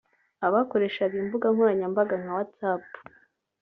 abakoreshaga imbuga nkoranyambaga nka WhatsApp